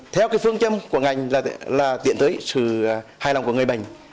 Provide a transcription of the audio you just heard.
theo phương châm của ngành là tiện tới sự hài lòng của người bệnh